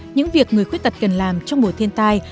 những việc người khuyết tật cần làm trong buổi thiên tai